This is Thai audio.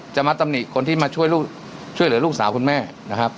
มาตำหนิคนที่มาช่วยเหลือลูกสาวคุณแม่นะครับ